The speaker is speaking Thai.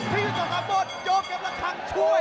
ที่จะจอกทางบนยกกับละครั้งช่วย